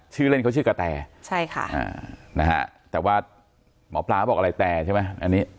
ชื่อเล่นเขาชื่อกระแต่แต่ว่าหมอพลาบอกอะไรแต่ใช่ไหม